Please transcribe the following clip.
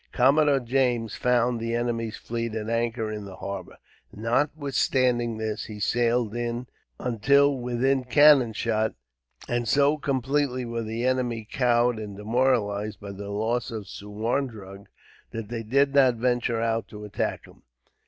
Commodore James found the enemy's fleet at anchor in the harbour. Notwithstanding this, he sailed in until within cannon shot, and so completely were the enemy cowed and demoralized, by the loss of Suwarndrug, that they did not venture out to attack him.